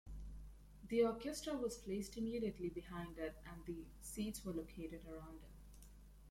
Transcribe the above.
The orchestra was placed immediately behind it and the seats were located around it.